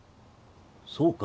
そうか？